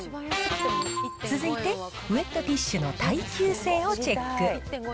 続いて、ウエットティッシュの耐久性をチェック。